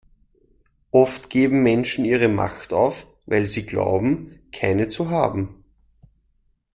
Oft geben Menschen ihre Macht auf, weil sie glauben, keine zu haben.